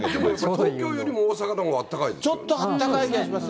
東京よりも大阪のほうが暖かいんですよね。